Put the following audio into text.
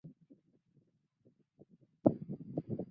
这个形成的地下渠道就是熔岩管。